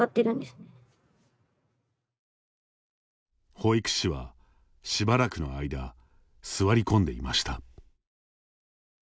保育士は、しばらくの間座り込んでいました。